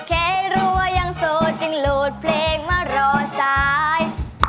แค่ให้รู้ว่ายังโสดจริงหลวดเพลงมารอซ้าย